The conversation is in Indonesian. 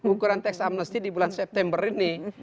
ukuran teks amnesti di bulan september ini